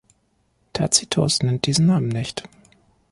Tacitus nennt diesen Namen nicht.